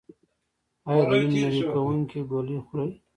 ایا د وینې نری کوونکې ګولۍ خورئ؟